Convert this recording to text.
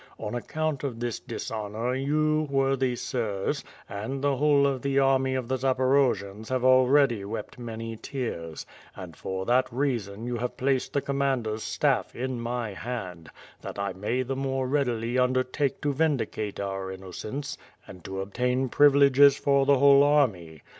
On account of this dishonor, you, wortJiy Sirs, and the whole of tlie army of the Zaporojians have already wept many tears, and for that reason you have placed the commanderVstaff in my hand, that 1 may the more readily undertake to vindicate our innocence and to obtain privileges for the whole army.